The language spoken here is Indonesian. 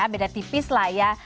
tapi ya tipis lah ya